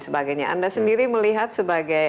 sebagainya anda sendiri melihat sebagai